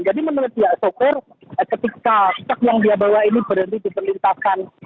jadi menurut soekar ketika truk yang dia bawa ini berhenti di perlintasan